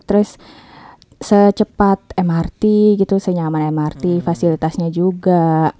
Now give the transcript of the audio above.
terus secepat mrt gitu senyaman mrt fasilitasnya juga